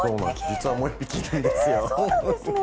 実はもう１匹いるんですよ。